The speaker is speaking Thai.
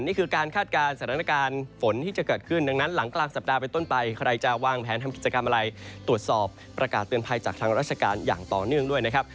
นี่คือการคาดการณ์สถานการณ์ฝนที่จะเกิดขึ้นดังนั้นหลังกลางสัปดาห์เป็นต้นไปใครจะวางแผนทำกิจกรรมอะไรตรวจสอบประกาศเตือนภัยจากทางราชการอย่างต่อเนื่องด้วยนะครับ